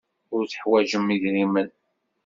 Ur teḥwajem idrimen.